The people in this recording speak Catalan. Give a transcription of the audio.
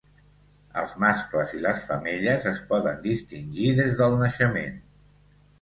Els mascles i les femelles es poden distingir des del naixement.